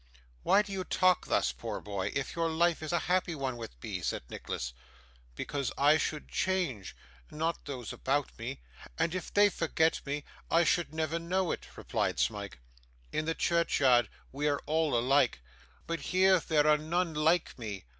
'Why do you talk thus, poor boy, if your life is a happy one with me?' said Nicholas. 'Because I should change; not those about me. And if they forgot me, I should never know it,' replied Smike. 'In the churchyard we are all alike, but here there are none like me.